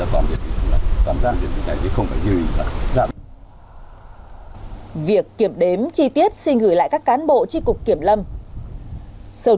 tra toàn diện thì không phải gì việc kiểm đếm chi tiết xin gửi lại các cán bộ tri cục kiểm lâm sầu